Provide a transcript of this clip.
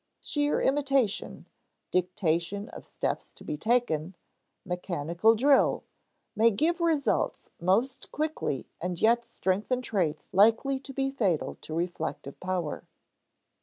Sheer imitation, dictation of steps to be taken, mechanical drill, may give results most quickly and yet strengthen traits likely to be fatal to reflective power.